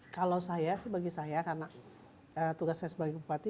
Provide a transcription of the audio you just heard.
kalau saya sih bagi saya karena tugas saya sebagai bupati